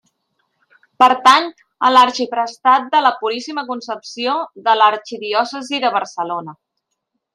Pertany a l'arxiprestat de la Puríssima Concepció de l'Arxidiòcesi de Barcelona.